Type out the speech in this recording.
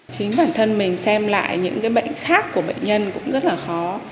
chính bản thân mình xem lại những bệnh khác của bệnh nhân cũng rất là khó